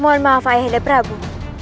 mohon maaf ayah anda prabu